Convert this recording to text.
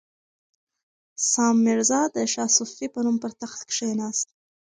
سام میرزا د شاه صفي په نوم پر تخت کښېناست.